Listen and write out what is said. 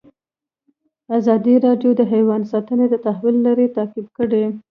ازادي راډیو د حیوان ساتنه د تحول لړۍ تعقیب کړې.